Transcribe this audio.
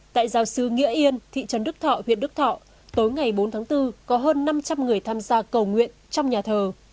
tại giáo sư nghĩa yên thị trấn đức thọ huyện đức thọ tối ngày bốn tháng bốn có hơn năm trăm linh người tham gia cầu nguyện trong nhà thờ